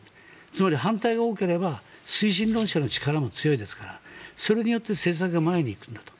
つまり反対が多ければ推進論者の力も強いですからそれによって政策が前に行くんだと。